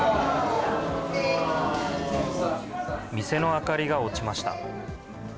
店の明かりが落ちました。